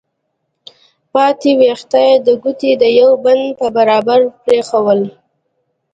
پاتې ويښته يې د ګوتې د يوه بند په برابر پرېښوول.